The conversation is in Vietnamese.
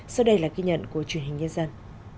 sau đây là ghi nhận của truyền hình nhân dân